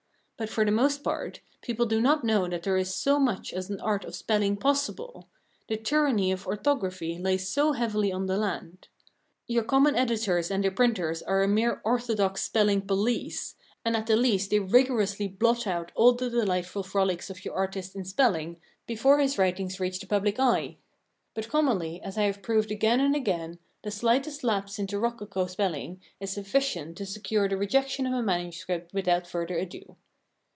But, for the most part, people do not know that there is so much as an art of spelling possible; the tyranny of orthography lies so heavily on the land. Your common editors and their printers are a mere orthodox spelling police, and at the least they rigorously blot out all the delightful frolics of your artist in spelling before his writings reach the public eye. But commonly, as I have proved again and again, the slightest lapse into rococo spelling is sufficient to secure the rejection of a manuscript without further ado.